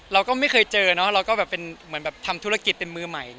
เราก็ไม่เคยเจอเราก็ทำธุรกิจเป็นมือใหม่